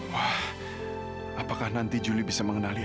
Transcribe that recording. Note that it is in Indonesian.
wah apakah nanti juli bisa mengenali